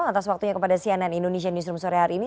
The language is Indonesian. atas waktunya kepada cnn indonesia newsroom sore hari ini